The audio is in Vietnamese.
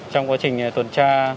trong quá trình tuần tra